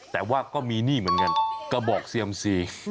แต่ว่าก็มีหนี้เหมือนกันกระบอกเซียมซี